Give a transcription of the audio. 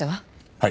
はい。